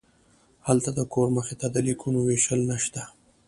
هلته د کور مخې ته د لیکونو ویشل نشته